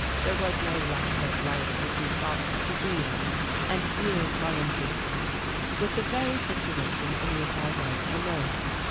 There was no lack of writers who sought to deal and deal triumphantly with the very situation in which I was immersed.